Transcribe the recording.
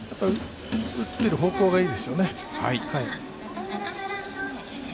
打っている方向がいいですよね。